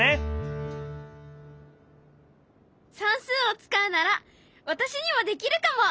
算数を使うなら私にもできるかも。